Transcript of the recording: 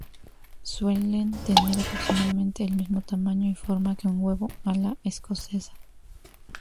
Suelen tener aproximadamente el mismo tamaño y forma que un huevo a la escocesa.